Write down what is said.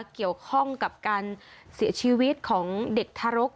เกี่ยวข้องกับการเสียชีวิตของเด็กทารก